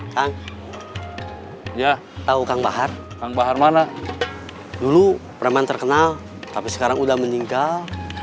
kang ya tahu kang bahar kang bahar mana dulu preman terkenal tapi sekarang udah meninggal